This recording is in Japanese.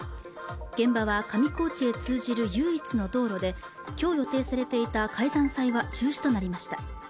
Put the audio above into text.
現場は上高地へ通じる唯一の道路できょう予定されていた開山祭は中止となりました